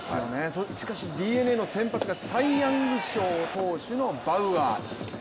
しかしＤｅＮＡの先発がサイ・ヤング賞投手のバウアー。